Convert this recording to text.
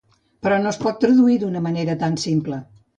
Però no es pot traduir d’una manera tan simple.